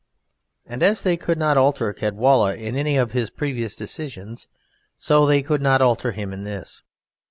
And as they could not alter Caedwalla in any of his previous decisions, so they could not alter him in this.